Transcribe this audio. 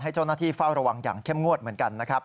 ให้เจ้าหน้าที่เฝ้าระวังอย่างเข้มงวดเหมือนกัน